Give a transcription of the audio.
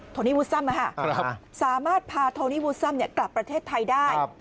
โนี่วูซัมสามารถพาโทนี่วูซัมกลับประเทศไทยได้